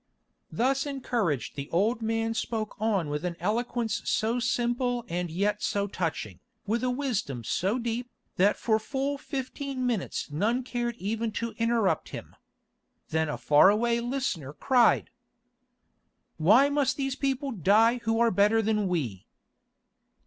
Thus encouraged the old man spoke on with an eloquence so simple and yet so touching, with a wisdom so deep, that for full fifteen minutes none cared even to interrupt him. Then a far away listener cried: "Why must these people die who are better than we?"